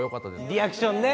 リアクションね。